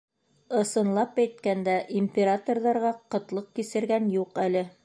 Ысынлап әйткәндә, императорҙарға ҡытлыҡ кисергән юҡ әле.